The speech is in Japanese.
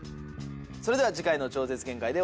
それでは次回の『超絶限界』でお会いしましょう。